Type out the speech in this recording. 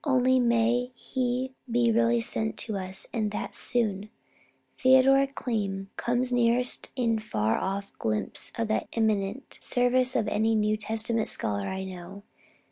Only, may he be really sent to us, and that soon! Theodor Keim comes nearest a far off glimpse of that eminent service of any New Testament scholar I know.